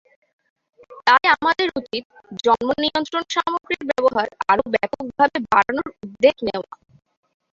তাই আমাদের উচিত জন্মনিয়ন্ত্রণ সামগ্রীর ব্যবহার আরও ব্যাপকভাবে বাড়ানোর উদ্যোগ নেওয়া।